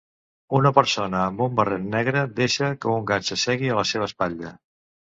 Una persona amb un barret negre deixa que un gat s'assegui a la seva espatlla.